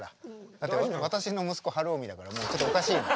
だって私の息子晴臣だからもうちょっとおかしいの。